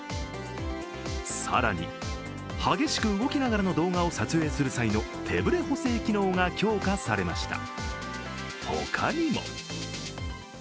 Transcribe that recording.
更に、激しく動きながらの動画を撮影する際の手ぶれ補正機能が強化されました。